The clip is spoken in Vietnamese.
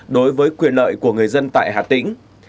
đối với quyền lợi của người dân tại hà tĩnh